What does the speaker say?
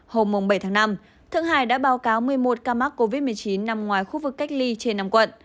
hôm bảy tháng năm thượng hải đã báo cáo một mươi một ca mắc covid một mươi chín nằm ngoài khu vực cách ly trên năm quận